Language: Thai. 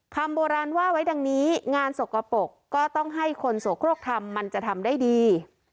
คำโบราณว่าไว้ดังนี้งานสกปรกก็ต้องให้คนโสโครกทำมันจะทำได้ดี